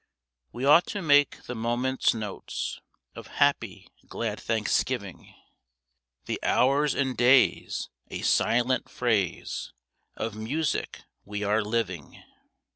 We ought to make the moments notes Of happy, glad Thanksgiving; The hours and days a silent phrase Of music we are living.